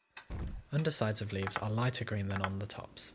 Undersides of leaves are lighter green than on the tops.